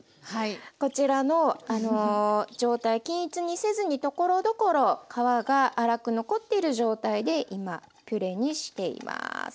こちらのあの状態均一にせずにところどころ皮が粗く残っている状態で今ピュレにしています。